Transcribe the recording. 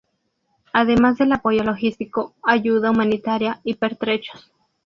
Además del apoyo logístico, ayuda humanitaria y pertrechos.